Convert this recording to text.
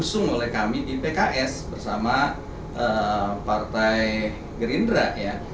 diusung oleh kami di pks bersama partai gerindra ya